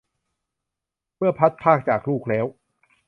เมื่อพลัดพรากจากลูกแล้ว